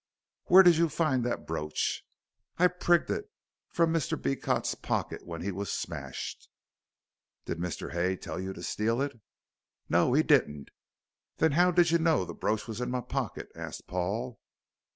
"Where did you find that brooch?" "I prigged it from Mr. Beecot's pocket when he wos smashed." "Did Mr. Hay tell you to steal it?" "No, he didn't." "Then how did you know the brooch was in my pocket?" asked Paul.